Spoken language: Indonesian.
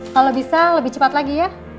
kalau bisa lebih cepat lagi ya